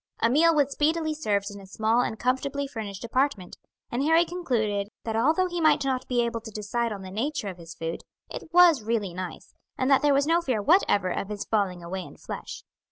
A meal was speedily served in a small and comfortably furnished apartment; and Harry concluded that although he might not be able to decide on the nature of his food, it was really nice, and that there was no fear whatever of his falling away in flesh.